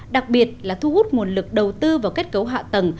đặc biệt là thu hút nguồn lực đầu tư vào kết cấu hạ tầng